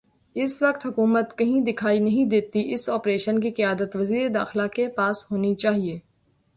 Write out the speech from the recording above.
اس وقت حکومت کہیں دکھائی نہیں دیتی اس آپریشن کی قیادت وزیر داخلہ کے پاس ہونی چاہیے۔